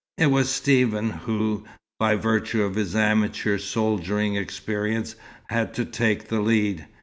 It was Stephen who, by virtue of his amateur soldiering experience, had to take the lead.